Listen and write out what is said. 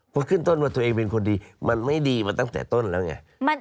เพราะขึ้นต้นว่าตัวเองเป็นคนดีมันไม่ดีมาตั้งแต่ต้นแล้วไง